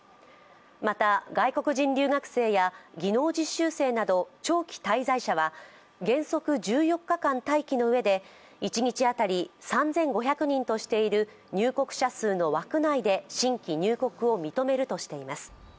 また、外国人留学生や技能実習生など長期滞在者は、原則１４日間待機のうえで一日当たり３５００人としている入国者数の枠内で新規入国を認めるとしています。